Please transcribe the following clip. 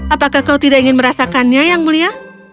apakah kau tidak ingin merasakannya yang mulia